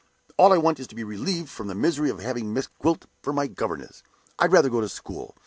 "All I want is to be relieved from the misery of having Miss Gwilt for my governess. I'd rather go to school.